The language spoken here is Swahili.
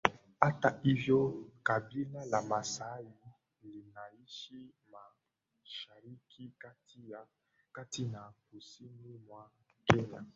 Hata hivyo kabila la Masai linaishi mashariki kati na kusini mwa Kenya